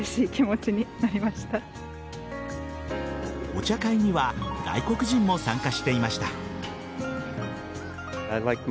お茶会には外国人も参加していました。